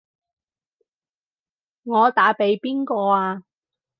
我打畀邊個啊？